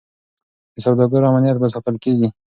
د سوداګرو امنیت به ساتل کیږي.